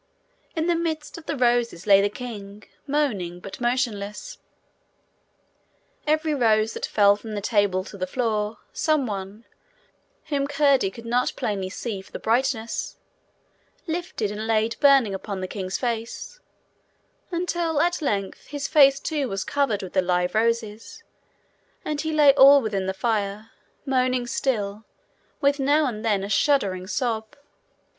In the midst of the roses lay the king, moaning, but motionless. Every rose that fell from the table to the floor, someone, whom Curdie could not plainly see for the brightness, lifted and laid burning upon the king's face, until at length his face too was covered with the live roses, and he lay all within the fire, moaning still, with now and then a shuddering sob.